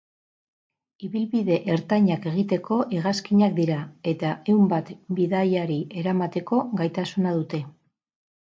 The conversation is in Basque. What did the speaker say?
Ibilbide ertainak egiteko hegazkinak dira, eta ehun bat bidaiari eramateko gaitasuna dute.